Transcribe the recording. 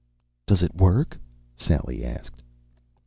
"Does it work?" Sally asked.